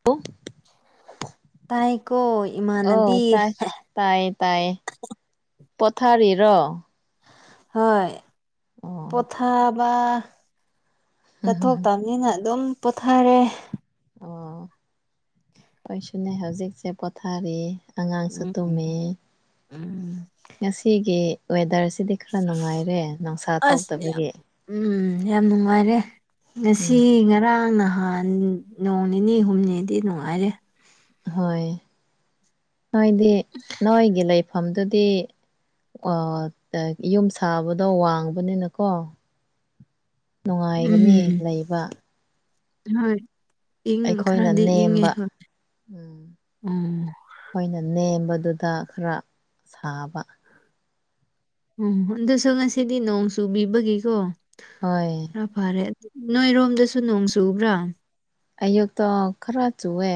[unintelligible] ꯇꯥꯏꯀꯣ ꯏꯃꯥꯟꯅꯕꯤ ꯑꯧ [unintelligible] ꯇꯥꯏ ꯇꯥꯏ ꯄꯣꯊꯔꯤꯔꯣ ꯍꯣꯏ ꯑꯣ ꯄꯣꯊꯥꯕꯥ ꯆꯠꯊꯣꯛ ꯇꯝꯅꯤꯅ ꯑꯗꯨꯝ ꯄꯣꯊꯔꯦ ꯑꯣ ꯑꯈꯣꯢꯁꯨꯅꯦ ꯍꯧꯖꯤꯛꯁꯦ ꯄꯣꯊꯥꯔꯤ ꯑꯉꯥꯡꯁꯨ ꯎꯝ ꯎꯝ ꯇꯨꯝꯃꯤ ꯎꯝ ꯉꯁꯤꯒꯤ ꯋꯦꯗꯔꯁ ꯁꯤꯗꯤ ꯈꯔ ꯅꯨꯡꯉꯥꯏꯔꯦ ꯅꯨꯡꯁꯥ ꯑꯁ ꯌꯥꯝ ꯊꯣꯛꯇꯕꯒꯤ ꯎꯝ ꯌꯥꯝ ꯅꯨꯡꯉꯥꯏꯔꯦ ꯉꯁꯤ ꯎꯝ ꯉꯔꯥꯡ ꯅꯍꯥꯟ ꯎꯝ ꯅꯣꯡ ꯅꯤꯅꯤ ꯍꯨꯝꯅꯤꯗꯤ ꯅꯨꯡꯉꯥꯏꯔꯦ ꯍꯣꯏ ꯅꯣꯏꯗꯤ ꯅꯣꯏꯒꯤ ꯂꯩꯐꯝꯗꯨꯗꯤ [unintelligible] ꯌꯨꯝ ꯁꯥꯕꯗꯣ ꯋꯥꯡꯕꯅꯤꯅꯀꯣ ꯅꯨꯡꯉꯥꯏꯒꯅꯤ ꯎꯝ ꯂꯩꯕ ꯍꯣꯏ ꯏꯪ ꯑꯩꯈꯣꯏꯅ ꯈꯔꯗꯤ ꯏꯪꯉꯦ ꯅꯦꯝꯕ ꯍꯣꯏ ꯎꯝ [unintelligible] ꯑꯩꯈꯣꯏꯅ ꯅꯦꯝꯕꯗꯨꯗ ꯈꯔ ꯁꯥꯕ [unintelligible] ꯑꯗꯨꯁꯨ ꯉꯁꯤꯗꯤ ꯅꯣꯡ ꯆꯨꯕꯤꯕꯒꯤꯀꯣ ꯍꯣꯏ ꯈꯔ ꯐꯔꯦ ꯅꯣꯏꯔꯣꯝꯗꯁꯨ ꯅꯣꯡ ꯆꯨꯕ꯭ꯔꯥ ꯑꯌꯨꯛꯇꯣ ꯈꯔ ꯆꯨꯋꯦ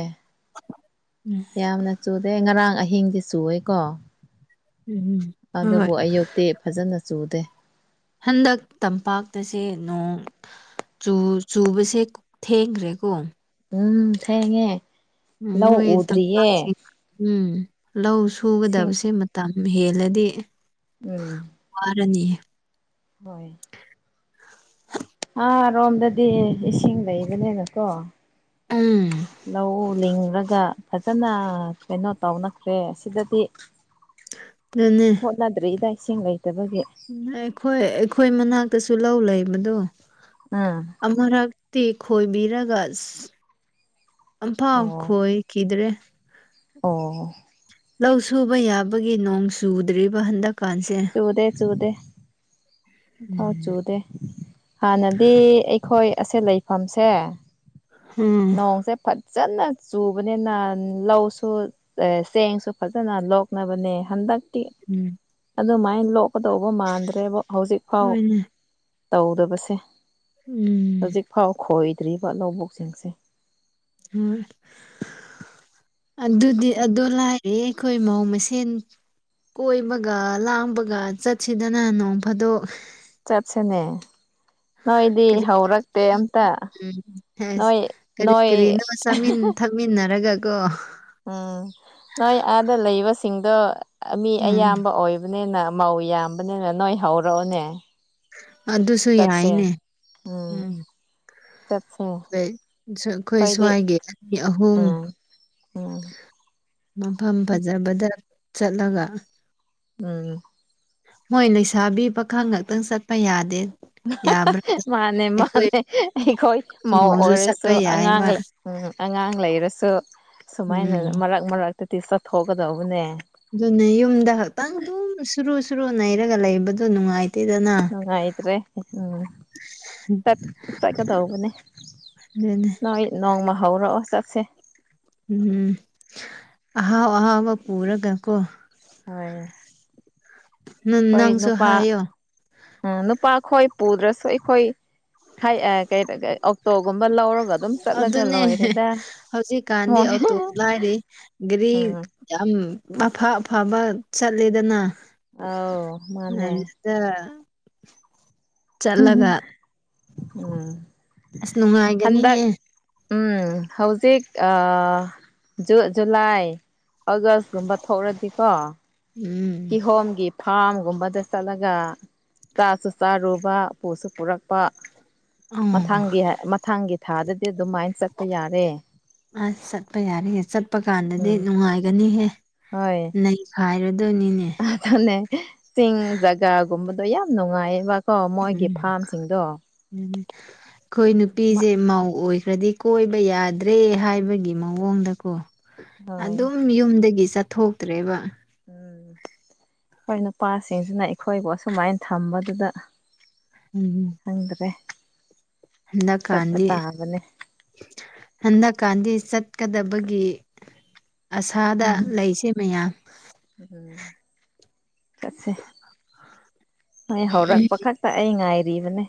ꯎꯝ ꯌꯥꯝꯅ ꯆꯨꯗꯦ ꯉꯔꯥꯡ ꯑꯍꯤꯡꯗꯤ ꯆꯨꯋꯦꯀꯣ ꯎꯝ ꯍꯣꯏ ꯍꯣꯏ ꯑꯗꯨꯕꯨ ꯑꯌꯨꯛꯇꯤ ꯐꯖꯅ ꯆꯨꯗꯦ ꯍꯟꯗꯛ ꯇꯝꯄꯥꯛꯇꯁꯦ ꯅꯣꯡ ꯆꯨ ꯆꯨꯕꯁꯦ ꯊꯦꯡꯈ꯭ꯔꯦꯀꯣ ꯎꯝ ꯊꯦꯡꯉꯦ ꯂꯧ ꯅꯣꯏ ꯎꯗ꯭ꯔꯤꯌꯦ ꯇꯝꯄꯥꯛꯁꯤꯡ ꯎꯝ ꯂꯧ ꯏꯁꯤꯡ ꯁꯨꯒꯗꯕꯁꯦ ꯃꯇꯝ ꯍꯦꯜꯂꯗꯤ ꯎꯝ ꯋꯥꯔꯅꯤ ꯍꯣꯏ ꯑꯥ ꯔꯣꯝꯗꯗꯤ ꯏꯁꯤꯡ ꯂꯩꯕꯅꯦꯅꯀꯣ ꯎꯝ ꯂꯧ ꯂꯤꯡꯔꯒ ꯐꯠ ꯖꯅꯥ ꯀꯩꯅꯣ ꯇꯧꯅꯈ꯭ꯔꯦ ꯑꯁꯤꯗꯗꯤ ꯗꯨꯅꯦ ꯍꯣꯠꯅꯗ꯭ꯔꯤꯗ ꯏꯁꯤꯡ ꯂꯩꯇꯕꯒꯤ ꯎꯝ ꯑꯩꯈꯣꯏ ꯑꯩꯈꯣꯏ ꯃꯅꯥꯛꯇꯁꯨ ꯂꯧ ꯂꯩꯕꯗꯣ ꯎꯝ ꯑꯃꯨꯔꯛꯇꯤ ꯈꯣꯏꯕꯤꯔꯒ ꯑꯁ ꯑꯝꯐꯥꯎ ꯑꯣ ꯈꯣꯏ ꯈꯤꯗ꯭ꯔꯦ ꯑꯣ ꯂꯧ ꯁꯨꯕ ꯌꯥꯕꯒꯤ ꯅꯣꯡ ꯆꯨꯗ꯭ꯔꯤꯕ ꯍꯟꯗꯛ ꯆꯨꯗꯦ ꯆꯨꯗꯦ ꯑꯐꯥꯎ ꯎꯝ ꯆꯨꯗꯦ ꯍꯥꯟꯅꯗꯤ ꯑꯩꯈꯣꯏ ꯑꯁꯦ ꯂꯩꯐꯝꯁꯦ ꯎꯝ ꯅꯣꯡꯁꯦ ꯐꯠ ꯆꯅꯥ ꯆꯨꯕꯅꯤꯅ ꯂꯧꯁꯨ ꯆꯦ ꯆꯦꯡꯁꯨ ꯐꯖꯅ ꯂꯣꯛꯅꯕꯅꯦ ꯍꯟꯗꯛ ꯎꯝ ꯑꯗꯨꯃꯥꯏꯟ ꯂꯣꯛꯀꯗꯧꯕ ꯃꯥꯟꯗ꯭ꯔꯦꯕꯣ ꯍꯧꯖꯤꯛꯐꯥꯎ ꯍꯣꯏꯅꯦ ꯇꯧꯗꯕꯁꯦ ꯎꯝ ꯍꯧꯖꯤꯛꯐꯥꯎ ꯈꯣꯏꯗ꯭ꯔꯤꯕ ꯂꯧꯕꯨꯛꯁꯤꯡꯁꯦ ꯍꯝ ꯑꯗꯨꯗꯤ ꯑꯗꯨ ꯂꯥꯏꯔꯤ ꯈꯣꯏ ꯃꯧ ꯃꯁꯦꯟ ꯀꯣꯏꯕꯒ ꯂꯥꯡꯕꯒ ꯆꯠꯁꯤꯗꯅ ꯅꯣꯡ ꯐꯥꯗꯣꯛ ꯆꯠꯁꯦꯅꯦ ꯀꯔꯤ ꯑꯝꯇ [unintelligible] ꯍꯦꯁ ꯅꯣꯏ ꯀꯔꯤ ꯅꯣꯏ ꯀꯔꯤꯅꯣ ꯆꯥꯃꯤꯟ ꯊꯛ ꯃꯤꯟꯅꯔꯒꯒꯣ ꯎꯝ ꯅꯣꯏ ꯑꯥꯗ ꯂꯩꯕꯁꯤꯡꯗꯣ ꯃꯤ ꯎꯝ ꯑꯌꯥꯝꯕ ꯑꯣꯏ ꯗꯨꯅꯦꯅ ꯃꯧ ꯌꯥꯝꯕꯅꯤꯅ ꯅꯣꯏ ꯍꯧꯔꯛꯑꯣꯅꯦ ꯑꯗꯨꯁꯨ ꯆꯠꯁꯦ ꯌꯥꯏꯅꯦ ꯎꯝ ꯆꯠꯁꯦ ꯕꯦ ꯁ ꯑꯩꯈꯣꯏ ꯑꯩꯈꯣꯏꯗꯤ ꯁ꯭ꯋꯥꯏꯒꯤ ꯑꯅꯤ ꯑꯍꯨꯝ ꯎꯝ ꯎꯝ ꯃꯐꯝ ꯐꯖꯕꯗ ꯆꯠꯂꯒ ꯎꯝ ꯃꯣꯏ ꯂꯩꯁꯥꯕꯤ ꯄꯥꯈꯪ ꯉꯛꯇꯪ ꯆꯠꯄ ꯌꯥꯗꯦ ꯌꯥꯕ꯭ꯔꯥ ꯃꯥꯅꯦ ꯑꯩꯈꯣꯏ ꯃꯥꯅꯦ ꯑꯩꯈꯣꯏ ꯃꯧ ꯃꯧꯁꯨ ꯑꯣꯏꯔꯁꯨ ꯆꯠꯄ ꯑꯉꯥꯡ ꯌꯥꯏꯕ ꯂꯩ ꯎꯝ ꯑꯉꯥꯡ ꯂꯩꯔꯁꯨ ꯁꯨꯃꯥꯏꯅ ꯎꯝ ꯃꯔꯛ ꯃꯔꯛꯇꯗꯤ ꯆꯠꯊꯣꯛꯀꯗꯧꯕꯅꯦ ꯑꯗꯨꯅꯦ ꯌꯨꯝꯗ ꯈꯛꯇꯪ ꯗꯨꯝ ꯁꯨꯔꯨ ꯁꯨꯔꯨ ꯅꯩꯔꯒ ꯂꯩꯕꯗꯣ ꯅꯨꯡꯉꯥꯏ ꯅꯨꯡꯉꯥꯏꯇ꯭ꯔꯦ ꯎꯝ ꯆꯠ ꯆꯠꯀꯗꯧꯕꯅꯦ ꯅꯦ ꯅꯦ ꯅꯣꯏ ꯅꯣꯡꯃ ꯍꯧꯔꯛꯑꯣ ꯆꯠꯁꯦ ꯎꯝ ꯑꯍꯥꯎ ꯑꯍꯥꯎꯕ ꯄꯨꯔꯒ ꯀꯣ ꯍꯣꯏ ꯅꯪ ꯈꯣꯏ ꯅꯪꯁꯨ ꯅꯨꯄꯥ ꯍꯥꯏꯌꯣ ꯎꯝ ꯅꯨꯄꯥꯈꯣꯏ ꯄꯨꯗ꯭ꯔꯁꯨ ꯑꯩꯈꯣꯏ ꯍꯥꯏ ꯑꯥ ꯀꯩꯅꯣ ꯀ ꯑꯣꯛꯇꯣꯒꯨꯝꯕ ꯂꯧꯔ ꯑꯗꯨꯅꯦ ꯍꯦ ꯍꯧꯖꯤꯛꯀꯥꯟꯗꯤ ꯍꯣꯏ ꯑꯣꯇꯣꯕꯨ ꯂꯥꯏꯔꯤ ꯒꯥꯔꯤ ꯎꯝ ꯌꯥꯝ ꯑꯐꯥ ꯑꯐꯥꯕ ꯆꯠꯂꯦꯗꯅ ꯑꯧ ꯃꯥꯅꯦ [unintelligible] ꯆꯠꯂꯒ ꯎꯝ ꯑꯁ ꯍꯟꯗꯛ ꯅꯨꯡꯉꯥꯏꯒꯅꯤꯍꯦ ꯎꯝ ꯍꯧꯖꯤꯛ ꯑ ꯖꯨ ꯖꯨꯂꯥꯏ ꯑꯒꯥꯁ ꯀꯨꯝꯕ ꯊꯣꯛꯔꯗꯤꯀꯣ ꯎꯝ ꯀꯤꯍꯣꯝꯒꯤ ꯐꯥꯔꯝꯒꯨꯝꯕꯗ ꯆꯠꯂꯒ ꯆꯥꯁꯨ ꯆꯥꯔꯨꯕ ꯄꯨꯁꯨ ꯄꯨꯔꯛꯄ ꯑꯣ ꯃꯊꯥꯡꯒꯤ ꯃꯊꯥꯡꯒꯤ ꯊꯥꯗꯗꯤ ꯑꯗꯨꯃꯥꯏꯟ ꯆꯠꯄ ꯌꯥꯔꯦ ꯑꯁ ꯆꯠꯄ ꯌꯥꯔꯦꯍꯦ ꯆꯠꯄ ꯀꯥꯟꯗꯗꯤ ꯎꯝ ꯅꯨꯡꯉꯥꯏꯒꯅꯤꯍꯦ ꯅꯩ ꯈꯥꯢꯔꯗꯣꯏꯅꯤꯅꯦ ꯑꯊꯨꯅꯦ ꯆꯤꯡ ꯖꯒꯥꯒꯨꯝꯕꯗꯣ ꯌꯥꯝ ꯅꯨꯡꯉꯥꯏꯌꯦꯕ ꯎꯝ ꯎꯝ ꯑꯈꯣꯏ ꯅꯨꯄꯤꯖꯦ ꯃꯧ ꯑꯣꯏꯈ꯭ꯔꯗꯤ ꯀꯣꯏꯕ ꯌꯥꯗ꯭ꯔꯦ ꯍꯥꯏꯕꯒꯤ ꯃꯑꯣꯡꯗꯀꯣ ꯍꯣꯏ ꯑꯗꯨꯝ ꯌꯨꯝꯗꯒꯤ ꯆꯠꯊꯣꯛ ꯇꯔ꯭ꯦꯕꯥ ꯎꯝ ꯈꯣꯏ ꯅꯨꯄꯥꯁꯤꯡꯁꯤꯅ ꯑꯩꯈꯣꯏꯕꯨ ꯑꯁꯨꯃꯥꯏꯟ ꯊꯝꯕꯗꯨꯗ ꯎꯝ ꯈꯪꯗ꯭ꯔꯦ ꯍꯟꯗꯛ ꯆꯠꯄ ꯀꯥꯟꯗꯤ ꯇꯥꯕꯅꯦ ꯍꯟꯗꯛ ꯀꯥꯟꯗꯤ ꯆꯠꯀꯗꯕꯒꯤ ꯑꯁꯥꯗ ꯂꯩꯁꯦ ꯃꯌꯥꯝ ꯎꯝ ꯆꯠꯁꯦ ꯅꯣꯢ ꯍꯧꯔꯛꯄ ꯈꯛ ꯇ ꯑꯩ ꯉꯥꯏꯔꯤꯕꯅꯦ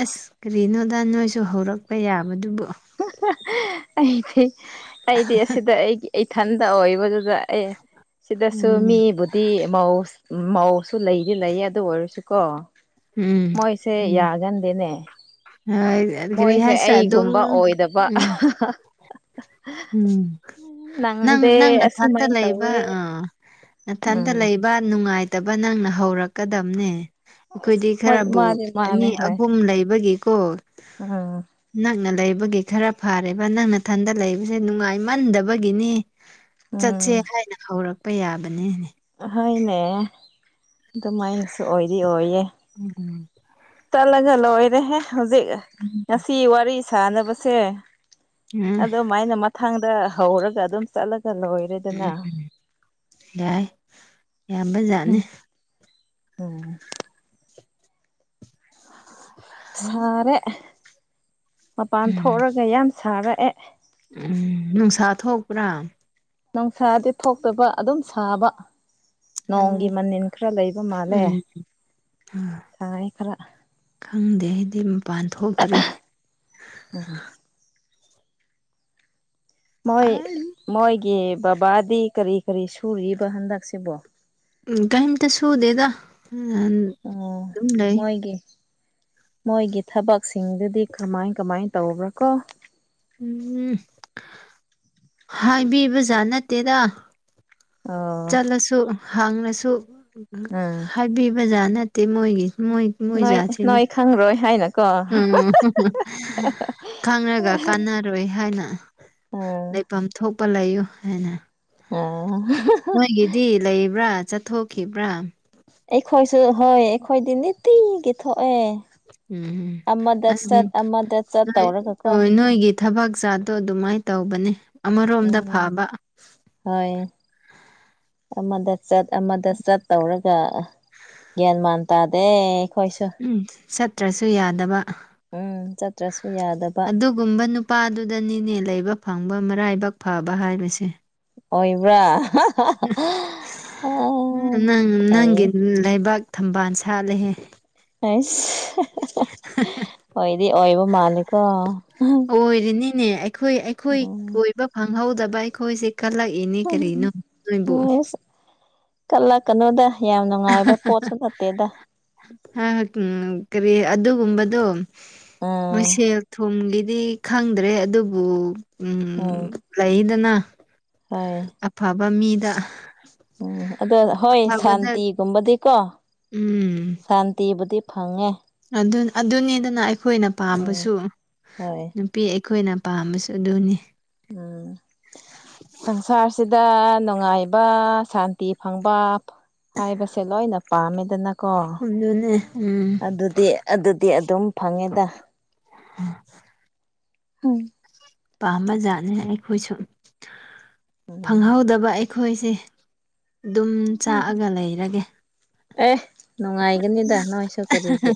ꯑꯁ ꯀꯔꯤꯅꯣꯗ ꯅꯣꯏꯁꯨ ꯍꯧꯔꯛꯄ ꯌꯥꯕꯗꯨꯕꯨ ꯑꯩꯗꯤ ꯑꯩꯗꯤ ꯑꯁꯤꯗ ꯑꯩꯒꯤ ꯏꯊꯟꯗ ꯑꯣꯏꯕꯗꯨꯗ ꯑꯦ ꯁꯤꯗꯁꯨ ꯎꯝ ꯃꯤꯕꯨꯗꯤ ꯃꯧꯁ ꯃꯧꯁꯨ ꯂꯩꯗꯤ ꯂꯩꯌꯦ ꯑꯗꯨ ꯑꯣꯏꯔꯁꯨ ꯀꯣ ꯎꯝ ꯃꯣꯏꯁꯦ ꯎꯝ ꯌꯥꯒꯟꯗꯦꯅꯦ ꯀꯔꯤ ꯃꯣꯏꯁꯦ ꯍꯥꯏꯁꯤꯔꯥ ꯑꯗꯨꯝ ꯑꯩꯒꯨꯝꯕ ꯑꯣꯏꯗꯕ ꯎꯝ ꯎꯝ ꯅꯪ ꯅꯪꯗꯦ ꯅꯪ ꯅꯊꯟꯇ ꯑꯁꯨꯃꯥꯏꯅ ꯂꯩꯕ ꯇꯧꯋꯦ ꯑꯥ ꯅꯊꯟꯇ ꯎꯝ ꯂꯩꯕ ꯅꯨꯡꯉꯥꯏꯇꯕ ꯅꯪꯅ ꯍꯧꯔꯛꯀꯗꯝꯅꯦ ꯑꯩꯈꯣꯏꯗꯤ ꯍꯣꯏ ꯈꯔꯕꯨ ꯃꯥꯗꯤ ꯑꯅꯤ ꯃꯥꯅꯦ ꯍꯣꯏ ꯑꯍꯨꯝ ꯂꯩꯕꯒꯤꯀꯣ ꯎꯝ ꯅꯛꯅ ꯂꯩꯕꯒꯤ ꯈꯔ ꯐꯥꯔꯦꯕ ꯅꯪ ꯅꯊꯟꯗ ꯂꯩꯕꯁꯦ ꯅꯨꯡꯉꯥꯏ ꯃꯟꯗꯕꯒꯤꯅꯤ ꯆꯠꯁꯦ ꯎꯝ ꯍꯥꯏꯅ ꯍꯧꯔꯛꯄ ꯌꯥꯕꯅꯦꯅꯦ ꯑꯍꯣꯏꯅꯦ ꯑꯗꯨꯃꯥꯏꯅꯁꯨ ꯑꯣꯏꯗꯤ ꯑꯣꯏꯌꯦ [inaudible] ꯇꯠꯂꯒ ꯂꯣꯏꯔꯦꯍꯦ ꯍꯧꯖꯤꯛ ꯉꯁꯤ ꯋꯥꯔꯤ ꯁꯥꯟꯅꯕꯁꯦ ꯎꯝ ꯑꯗꯨ ꯃꯥꯏꯅ ꯃꯊꯪꯗ ꯍꯧꯔꯒ ꯑꯗꯨꯝ ꯆꯠꯂ ꯎꯝ ꯌꯥꯏ ꯌꯥꯝꯕ ꯖꯥꯠꯅꯤ ꯑꯣ ꯁꯥꯔꯦ ꯃꯄꯥꯟ ꯎꯝ ꯊꯣꯛꯔꯒ ꯌꯥꯝ ꯁꯥꯔꯛꯑꯦ ꯎꯝ ꯅꯨꯡꯁꯥ ꯊꯣꯛꯄ꯭ꯔꯥ ꯅꯣꯡꯁꯥꯗꯤ ꯊꯣꯛꯇꯕ ꯑꯗꯨꯝ ꯁꯥꯕ ꯅꯣꯡꯒꯤ ꯎꯝ ꯃꯅꯤꯟ ꯈꯔ ꯂꯩꯕ ꯃꯥꯜꯂꯦ ꯍꯥ ꯁꯥꯏ ꯈꯔ ꯈꯪꯗꯦ ꯑꯩꯗꯤ ꯃꯄꯥꯟ ꯊꯣꯛꯇ꯭ꯔꯤ ꯎꯝ ꯃꯣꯏ ꯃꯣꯏꯒꯤ ꯕꯞ ꯕꯥꯗꯤ ꯀꯔꯤ ꯀꯔꯤ ꯁꯨꯔꯤꯕ ꯍꯟꯗꯛꯁꯤꯕꯣ ꯎꯝ ꯀꯩꯝꯇ ꯁꯨꯗꯦꯗ ꯅꯍꯟ ꯑꯣ ꯃꯣꯏꯒꯤ ꯃꯣꯏꯒꯤ ꯊꯕꯛꯁꯤꯡꯗꯨꯗꯤ ꯀꯃꯥꯏ ꯀꯃꯥꯏ ꯇꯧꯕ꯭ꯔꯥ ꯀꯣ ꯎꯝ ꯍꯥꯏꯕꯤꯕꯖꯥꯠ ꯅꯠꯇꯦꯗ ꯑꯣ ꯆꯠꯂꯁꯨ ꯍꯡꯔꯁꯨ ꯎꯝ ꯍꯥꯏꯕꯤꯕꯖꯥꯠ ꯅꯠꯇꯦ ꯃꯣꯏꯒꯤ ꯃꯣꯏ ꯅꯣꯏ ꯅꯣꯏ ꯃꯣꯏꯖꯥꯠꯁꯦꯅꯨꯞ ꯈꯪꯔꯣꯏ ꯍꯥꯏꯅꯀꯣ ꯈꯪꯔꯒ ꯀꯥꯟꯅꯔꯣꯏ ꯍꯥꯏꯅ ꯎꯝ ꯂꯩꯐꯝ ꯊꯣꯛꯄ ꯂꯩꯌꯨ ꯍꯥꯏꯅ ꯑꯣ ꯃꯣꯏꯒꯤꯗꯤ ꯂꯩꯕ꯭ꯔꯥ ꯆꯠꯊꯣꯛꯈꯤꯕ꯭ꯔꯥ ꯑꯩꯈꯣꯏꯁꯨ ꯍꯣꯏ ꯑꯩꯈꯣꯏꯗꯤ ꯅꯤꯇꯤꯒꯤ ꯊꯣꯛꯑꯦ ꯎꯝ ꯑꯃꯗ ꯑꯁ ꯆꯠ ꯑꯃꯗ ꯆꯠ ꯅꯣꯏ ꯇꯧꯔꯒꯀꯣ ꯑꯥ ꯅꯣꯏꯒꯤ ꯊꯕꯛ ꯆꯥꯠꯗꯣ ꯑꯗꯨꯃꯥꯏ ꯇꯧꯕꯅꯦ ꯑꯃꯔꯣꯝꯗ ꯐꯕ [unintelligible] ꯍꯣꯏ ꯑꯃꯗ ꯆꯠ ꯑꯃꯗ ꯆꯠ ꯇꯧꯔꯒ ꯒ꯭ꯌꯥꯟꯃꯥꯟ ꯇꯥꯗꯦ ꯎꯝ ꯆꯠꯇ꯭ꯔꯁꯨ ꯌꯥꯗꯕ ꯎꯝ ꯆꯠꯇ꯭ꯔꯁꯨ ꯌꯥꯗꯕ ꯑꯗꯨꯒꯨꯝꯕ ꯅꯨꯄꯥꯗꯨꯗꯅꯤꯅꯦ ꯂꯩꯕ ꯐꯪꯕ ꯃꯔꯥꯏꯕꯛ ꯐꯕ ꯍꯥꯏꯕꯁꯦ ꯑꯣꯏꯕ꯭ꯔꯥ ꯅꯪ ꯅꯪꯒꯤ ꯐꯩ ꯂꯩꯕꯥꯛ ꯊꯝꯕꯥꯟ ꯁꯥꯠꯂꯦꯍꯦ ꯍꯩꯁ ꯍꯥ [unintelligible] ꯃꯥꯜꯂꯦꯀꯣ ꯑꯣꯏꯔꯤꯅꯤꯅꯦ ꯑꯩꯈꯣꯏ ꯑꯩꯈꯣꯏ ꯎꯝ ꯀꯣꯏ ꯐꯪꯍꯧꯗꯕ ꯑꯩꯈꯣꯏꯖꯦ ꯈꯜꯂꯛꯏꯅꯤ ꯀꯔꯤꯅꯣ ꯅꯣꯏꯕꯨ ꯑꯁ ꯀꯜꯂꯛꯀꯅꯣꯗ ꯌꯥꯝ ꯅꯨꯡꯉꯥꯏꯕ ꯄꯣꯠꯁꯨ ꯅꯠꯇꯦꯗ ꯍꯥ ꯎꯝ ꯀꯔꯤ ꯑꯗꯨꯒꯨꯝꯕꯗꯣ ꯎꯝ ꯃꯁꯦꯜ ꯊꯨꯝꯒꯤꯗꯤ ꯈꯪꯗ꯭ꯔꯦ ꯑꯗꯨꯕꯨ ꯎꯝ ꯂꯩꯏꯗꯅ ꯍꯣꯏ ꯎꯝ ꯑꯗꯣ ꯍꯣꯏ ꯑꯐꯕꯗ ꯁꯥꯟꯇꯤ ꯇꯨꯝꯕꯗꯤ ꯀꯣ ꯎꯝ ꯁꯥꯟꯇꯤꯕꯨꯗꯤ ꯐꯪꯉꯦ ꯑꯗꯨꯟ ꯑꯗꯨꯅꯤꯗꯅ ꯑꯩꯈꯣꯏꯅ ꯎꯝ ꯄꯥꯝꯕꯁꯨ ꯍꯣꯏ ꯅꯨꯄꯤ ꯑꯩꯈꯣꯏꯅ ꯄꯥꯝꯕꯁꯨ ꯑꯗꯨꯅꯤ ꯎꯝ ꯁꯪꯁꯥꯔꯁꯤꯗ ꯅꯨꯡꯉꯥꯏꯕ ꯁꯥꯟꯇꯤ ꯐꯪꯕ ꯍꯥꯏꯕꯁꯦ ꯂꯣꯏꯅ ꯄꯥꯝꯃꯦꯗꯅꯀꯣ ꯑꯗꯨꯅꯦ ꯎꯝ ꯑꯗꯨꯗꯤ ꯑꯗꯨꯗꯤ ꯑꯗꯨꯝ ꯐꯪꯉꯦꯗ [inaudible] ꯍꯝ ꯄꯥꯝꯕ ꯖꯥꯠꯅꯦ ꯑꯩꯈꯣꯏꯁꯨ ꯎꯝ ꯐꯪꯍꯧꯗꯕ ꯑꯩ ꯈꯣꯏꯁꯦ ꯑꯗꯨꯝ ꯆꯥꯛꯑꯒ ꯂꯩꯔꯒꯦ ꯑꯦ ꯅꯨꯡꯉꯥꯏꯒꯅꯤꯗ ꯅꯣꯏꯁꯨ ꯀꯔꯤꯒꯤ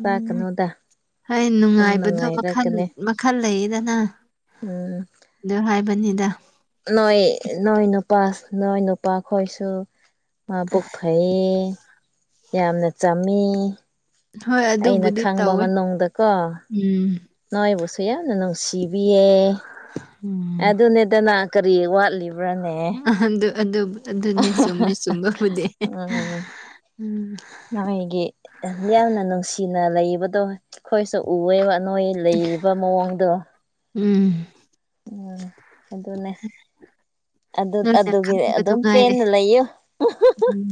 ꯆꯥꯛꯀꯅꯣꯗ ꯑꯩ ꯑꯗꯨꯝ ꯅꯨꯡꯉꯥꯏꯕꯗꯣ ꯃꯈꯜ ꯅꯨꯡꯉꯥꯏꯔꯛꯀꯅꯤ ꯃꯈꯜ ꯂꯩꯌꯦꯗꯅ ꯎꯝ ꯅꯪ ꯍꯥꯏꯕꯅꯤꯗ ꯅꯣꯏ ꯅꯣꯏ ꯅꯨꯄꯥꯁꯨ ꯅꯣꯏ ꯅꯨꯄꯥ ꯈꯣꯏꯁꯨ ꯃꯥꯕꯨꯛ ꯐꯩ ꯐꯩꯌꯦ ꯌꯥꯝꯅ ꯆꯝꯃꯤ ꯍꯣꯏ ꯑꯩꯅ ꯑꯗꯨꯕꯨꯗꯤ ꯈꯪꯕ ꯇꯧꯋꯦ ꯃꯅꯨꯡꯗꯀꯣ ꯎꯝ ꯅꯣꯏꯕꯨꯁꯨ ꯌꯥꯝꯅ ꯅꯨꯡꯁꯤꯕꯤꯌꯦ ꯎꯝ ꯑꯗꯨꯅꯦꯠ ꯗꯥꯅ ꯀꯔꯤ ꯋꯥꯠꯂꯤꯕ꯭ꯔꯥꯅꯦ ꯑꯍꯟꯗꯨ ꯑꯗꯨ ꯑꯗꯨꯕꯨ ꯑꯗꯨꯅꯦ ꯆꯨꯝꯃꯦ ꯆꯨꯝꯕꯕꯨꯗꯤ ꯎꯝ ꯎꯝ ꯅꯣꯏꯒꯤ ꯌꯥꯝꯅ ꯅꯨꯡꯁꯤꯅ ꯂꯩꯕꯗꯣ ꯑꯩꯈꯣꯏꯁꯨ ꯎꯑꯦꯕ ꯅꯣꯏ ꯂꯩꯔꯤꯕ ꯃꯑꯣꯡꯗꯣ ꯎꯝ ꯎꯝ ꯑꯗꯨꯅꯦ ꯑꯗꯨ ꯅꯪꯅ ꯑꯗꯨꯒꯤ ꯈꯪꯕꯗꯨ ꯑꯗꯨꯝ ꯉꯥꯏꯔꯦ ꯄꯦꯟꯅ ꯂꯩꯌꯨ ꯎꯝ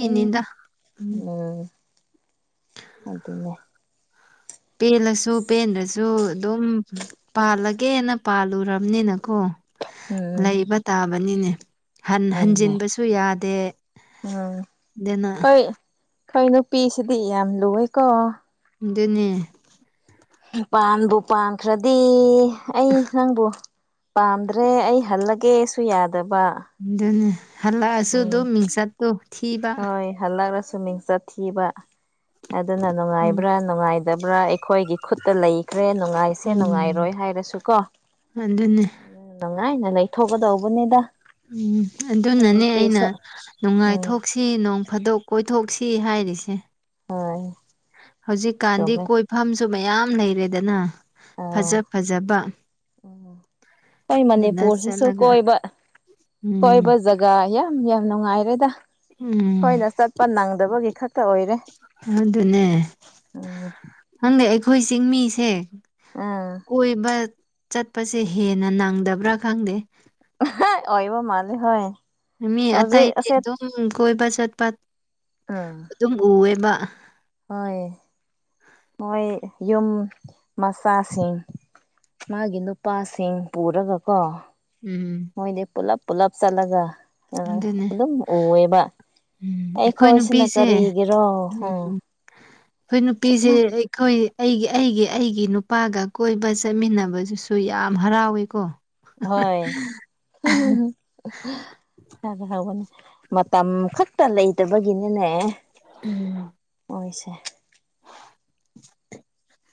ꯎꯝ ꯎꯝ ꯑꯗꯨꯅꯦ ꯄꯦꯜꯂꯁꯨ ꯄꯦꯟꯗ꯭ꯔꯁꯨ ꯑꯗꯨꯝ ꯄꯥꯜꯂꯒꯦꯅ ꯄꯥꯜꯂꯨꯔꯕꯅꯤꯅꯀꯣ ꯎꯝ ꯂꯩꯕ ꯇꯥꯕꯅꯤꯅꯦ ꯍꯟ ꯍꯣꯏꯅꯦ ꯍꯟꯖꯤꯟꯕꯁꯨ ꯌꯥꯗꯦ ꯎꯝ ꯑꯗꯨꯅ ꯈꯣꯏ ꯈꯣꯏ ꯅꯨꯄꯤꯁꯤꯗꯤ ꯌꯥꯝ ꯂꯨꯋꯦꯀꯣ ꯑꯗꯨꯅꯦ ꯄꯥꯟꯕꯨ ꯄꯥꯟꯈ꯭ꯔꯗꯤ ꯑꯩ ꯅꯪꯕꯨ ꯄꯥꯝꯗ꯭ꯔꯦ ꯑꯩ ꯍꯜꯂꯒꯦꯁꯨ ꯌꯥꯗꯕ ꯑꯗꯨꯅꯦ ꯍꯜꯂꯛꯑꯁꯨ ꯑꯗꯨꯝ ꯃꯤꯡꯆꯠꯇꯨ ꯊꯤꯕ ꯍꯜꯂꯛꯔꯁꯨ ꯃꯤꯡꯆꯠ ꯊꯤꯕ ꯑꯗꯨꯅ ꯎꯝ ꯅꯨꯡꯉꯥꯏꯕ꯭ꯔꯥ ꯅꯨꯡꯉꯥꯏꯇꯕ꯭ꯔꯥ ꯑꯩꯈꯣꯏꯒꯤ ꯈꯨꯠꯇ ꯂꯩꯈ꯭ꯔꯦ ꯅꯨꯡꯉꯥꯏꯁꯦ ꯅꯨꯡꯉꯥꯏꯔꯣꯏ ꯍꯥꯏꯔꯁꯨ ꯀꯣ ꯑꯗꯨꯟꯅꯦ ꯅꯨꯡꯉꯥꯏꯅ ꯂꯩꯊꯣꯛꯀꯗꯧꯕꯅꯤꯗ ꯎꯝ ꯑꯩꯈꯣꯏ ꯑꯗꯨꯅꯅꯦ ꯑꯩꯅ ꯅꯨꯄꯤꯁꯨ ꯎꯝ ꯅꯨꯡꯉꯥꯏꯊꯣꯛꯁꯦ ꯁꯤ ꯅꯣꯡ ꯐꯥꯗꯣꯛ ꯀꯣꯏꯊꯣꯛꯁꯤ ꯍꯥꯏꯔꯤꯁꯦ ꯍꯣꯏ ꯍꯧꯖꯤꯛꯀꯥꯟꯗꯤ ꯆꯨꯝꯃꯦ ꯀꯣꯏꯐꯝꯁꯨ ꯃꯌꯥꯝ ꯂꯩꯔꯦꯗꯅ ꯐꯖ ꯐꯖꯕ ꯀꯣꯏ ꯑꯗꯨꯗ ꯃꯅꯤꯄꯨꯔꯁꯤꯁꯨ ꯆꯠꯂꯒ ꯀꯣꯏꯕ ꯎꯝ ꯀꯣꯏꯕ ꯖꯒ ꯒ ꯌꯥꯝ ꯌꯥꯝ ꯅꯨꯡꯉꯥꯏꯔꯦꯗ ꯎꯝ ꯑꯩꯈꯣꯏꯅ ꯆꯠꯄ ꯅꯪꯗꯕꯒꯤ ꯈꯛꯇ ꯑꯣꯏꯔꯦ ꯑꯗꯨꯅꯦ ꯎꯝ ꯈꯪꯗꯦ ꯑꯩꯈꯣꯏ ꯆꯤꯡꯃꯤꯁꯦ ꯎꯝ ꯀꯣꯏꯕ ꯆꯠꯄꯁꯦ ꯍꯦꯟꯅ ꯅꯪꯗꯕ꯭ꯔꯥ ꯈꯪꯗꯦ ꯑꯣꯏꯕ ꯃꯥꯜꯂꯦ ꯍꯣꯏ ꯃꯤ ꯍꯧꯖꯤꯛ ꯑꯇꯩꯗꯤ ꯑꯁꯦ ꯑꯗꯨꯝ ꯀꯣꯏꯕ ꯆꯠꯄ ꯎꯝ ꯑꯗꯨꯝ ꯎꯋꯦꯕ ꯍꯣꯏ ꯃꯣꯏ ꯌꯨꯝ ꯃꯆꯥꯥꯁꯤꯡ ꯃꯥꯒꯤ ꯅꯨꯄꯥꯁꯤꯡ ꯄꯨꯔꯒ ꯀꯣ ꯎꯝ ꯃꯣꯏꯗꯤ ꯄꯨꯜꯂꯞ ꯄꯨꯜꯂꯞ ꯆꯠꯂꯒ ꯑ ꯑꯗꯨꯅꯦ ꯑꯗꯨꯝ ꯎꯋꯦꯕ ꯎꯝ ꯑꯩꯈꯣꯏ ꯑꯩꯈꯣꯏꯁꯤꯅ ꯅꯨꯄꯤꯁꯦ ꯀꯔꯤꯒꯤꯔꯣ ꯎꯝ ꯍꯨꯡ ꯑꯩꯈꯣꯏ ꯅꯨꯄꯤꯖꯦ ꯑꯦꯛ ꯑꯩꯈꯣꯏ ꯑꯩꯒꯤ ꯑꯩꯒꯤ ꯑꯩꯒꯤ ꯅꯨꯄꯥꯒ ꯀꯣꯏꯕ ꯆꯠꯃꯤꯟꯅꯕꯗꯨꯁꯨ ꯌꯥꯝ ꯍꯔꯥꯎꯋꯦ ꯀꯣ ꯍꯣꯏ [unintelligible] ꯃꯇꯝ ꯈꯛꯇ ꯂꯩꯇꯕꯒꯤꯅꯤꯅꯦ [unintelligible] ꯍꯣꯏꯁꯦ [inaudible]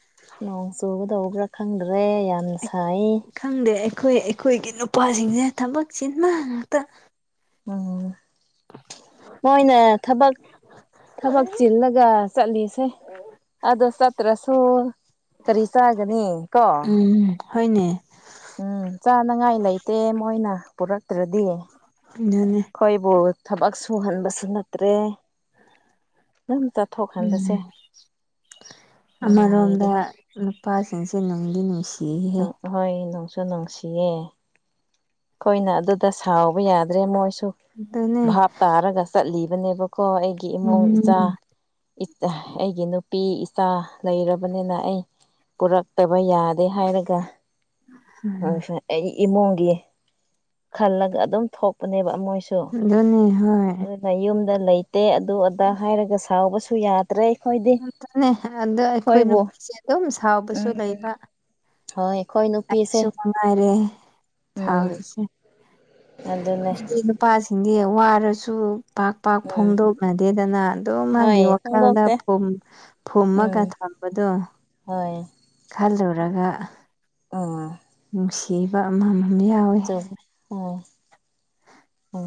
ꯅꯣꯡ ꯆꯨꯒꯗꯧꯕ꯭ꯔꯥ ꯈꯪꯗ꯭ꯔꯦ ꯌꯥꯝ ꯁꯥꯏꯌꯦ ꯈꯪꯗꯦ ꯑꯩꯈꯣꯏ ꯑꯩꯈꯣꯏꯒꯤ ꯅꯨꯄꯥꯁꯤꯡꯁꯦ ꯊꯕꯛ ꯆꯤꯟꯕ ꯉꯥꯛꯇ ꯎꯝ ꯃꯣꯏꯅ ꯊꯕꯛ ꯊꯕꯛ ꯆꯤꯜꯂꯒ ꯆꯠꯂꯤꯁꯦ ꯑꯗꯣ ꯆꯠꯇ꯭ꯔꯁꯨ ꯀꯔꯤ ꯆꯥꯒꯅꯤ ꯀꯣ ꯎꯝ ꯍꯣꯏꯅꯦ ꯎꯝ ꯆꯥꯅꯉꯥꯏ ꯂꯩꯇꯦ ꯃꯣꯏꯅ ꯄꯨꯔꯛꯇ꯭ꯔꯗꯤ ꯑꯗꯨꯅꯦ ꯑꯩꯈꯣꯏꯕꯨ ꯊꯕꯛ ꯁꯨꯍꯟꯕꯁꯨ ꯅꯠꯇ꯭ꯔꯦ ꯅꯪ ꯆꯠꯊꯣꯛ ꯍꯟꯕꯁꯦ ꯎꯝ ꯑꯃꯔꯣꯝꯗ ꯅꯨꯡꯉꯥꯏꯕꯅꯦ ꯅꯨꯄꯥꯁꯤꯡꯁꯦ ꯅꯨꯡꯗꯤ ꯅꯨꯡꯁꯤꯍꯦ ꯑꯍꯣꯏ ꯅꯨꯡꯁꯨ ꯅꯨꯡꯁꯤꯌꯦ ꯑꯩꯈꯣꯏꯅ ꯑꯗꯨꯗ ꯁꯥꯎꯕ ꯌꯥꯗ꯭ꯔꯦ ꯃꯣꯏꯁꯨ ꯑꯗꯨꯅꯦ ꯚꯥꯞ ꯇꯥꯔꯒ ꯆꯠꯂꯤꯕꯅꯦꯕꯀꯣ ꯑꯩꯒꯤ ꯏꯃꯨꯡ ꯎꯝ ꯏꯆꯥ ꯑꯩꯒꯤ ꯅꯨꯄꯤ ꯏꯆꯥ ꯂꯩꯔꯕꯅꯤꯅ ꯑꯩ ꯄꯨꯔꯛꯇꯕ ꯌꯥꯗꯦ ꯍꯥꯏꯔꯒ ꯑꯩ ꯏꯃꯨꯡꯒꯤ ꯈꯜꯂꯒ ꯑꯗꯨꯝ ꯊꯣꯛꯄꯅꯦꯕ ꯃꯣꯏꯁꯨ ꯑꯗꯨꯅꯤ ꯍꯣꯏ ꯅꯌꯨꯝꯗ ꯂꯩꯇꯦ ꯑꯗꯨ ꯑꯗꯥ ꯍꯥꯏꯔꯒ ꯁꯥꯎꯕꯁꯨ ꯌꯥꯗ꯭ꯔꯦ ꯑꯩꯈꯣꯏꯗꯤ ꯉꯝꯇꯅꯦ ꯑꯗ ꯑꯩꯈꯣꯏ ꯑꯩꯈꯣꯏꯕꯨ ꯅꯨꯄꯤꯁꯦ ꯑꯗꯨꯝ ꯁꯥꯎꯕꯁꯨ ꯎꯝ ꯂꯩꯕ ꯍꯣꯏ ꯑꯩꯈꯣꯏ ꯅꯨꯄꯤꯁꯦ ꯑꯩꯁꯨ ꯃꯉꯥꯏꯔꯦ ꯎꯝ ꯁꯥꯎꯔꯤꯁꯦ ꯑꯗꯨꯅꯦ ꯃꯤꯒꯤ ꯅꯨꯄꯥꯁꯤꯡꯗꯤ ꯋꯥꯔꯁꯨ ꯄꯥꯛ ꯄꯥꯛ ꯎꯝ ꯐꯣꯡꯗꯣꯛꯅꯗꯦꯗꯅ ꯑꯗꯨꯝ ꯍꯣꯏ ꯃꯥꯒꯤ ꯋꯥꯈꯜꯗ ꯐꯣꯡꯗꯣꯛꯇꯦ ꯐꯨꯝ ꯐꯨꯝꯃꯒ ꯎꯝ ꯊꯝꯕꯗꯣ ꯍꯣꯏ ꯈꯜꯂꯨꯔꯒ ꯎꯝ ꯅꯨꯡꯁꯤꯕ ꯑꯃꯃꯝ ꯌꯥꯎ [unintelligible] ꯎꯝ